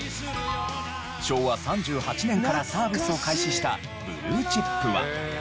昭和３８年からサービスを開始したブルーチップは。